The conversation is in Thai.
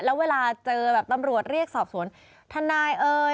แล้วเวลาเจอแบบตำรวจเรียกสอบสวนทนายเอ่ย